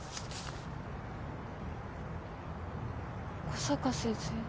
小坂先生